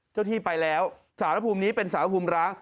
ที่ไปแล้วสารภูมินี้เป็นสารภูมิร้าง